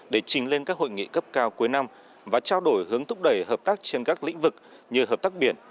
để trình lên các hội nghị cấp cao cuối năm và trao đổi hướng thúc đẩy hợp tác trên các lĩnh vực như hợp tác biển